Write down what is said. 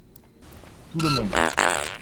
tout le monde.